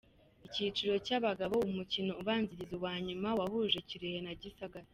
Icyiciro cy’Abagabo, umukino ubanziriza uwa nyuma wahuje Kirehe na Gisagara.